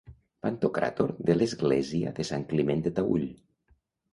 Pantocràtor de l'església de Sant Climent de Taüll.